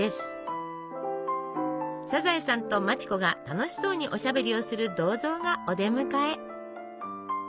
サザエさんと町子が楽しそうにおしゃべりをする銅像がお出迎え。